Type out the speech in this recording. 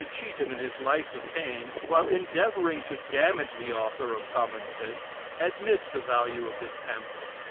Cheetham, in his "Life of Paine," while endeavoring to damage the author of "Common Sense," admits the value of this pamphlet.